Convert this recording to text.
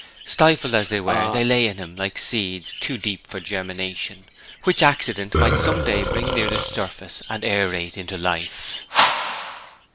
Stifled as they were, they lay in him like seeds too deep for germination, which accident might some day bring near the surface and aerate into life.